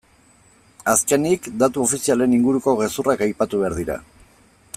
Azkenik, datu ofizialen inguruko gezurrak aipatu behar dira.